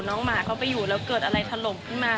น้องหมาเข้าไปอยู่แล้วเกิดอะไรทะลมขึ้นมา